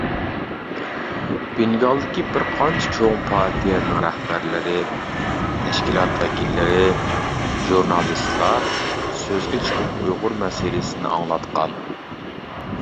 بېنگالدىكى بىر قانچە چوڭ پارتىيەنىڭ رەھبەرلىرى، تەشكىلات ۋەكىللىرى، ژۇرنالىستلار سۆزگە چىقىپ ئۇيغۇر مەسىلىسىنى ئاڭلاتقان.